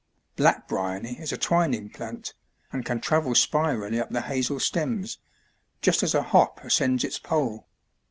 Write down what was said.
Black bryony is a twining plant, and can travel spirally up the hazel stems, just as a hop ascends its pole.